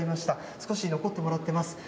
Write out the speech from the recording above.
少し残ってもらっています。